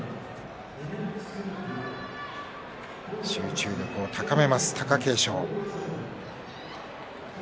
集中力を高める貴景勝。